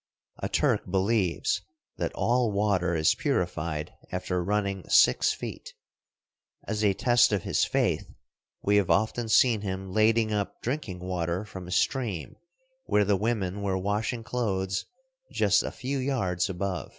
A Turk believes that all water is purified after running six feet. As a test of his faith we have often seen him lading up drinking water from a stream where the women were washing clothes just a few yards above.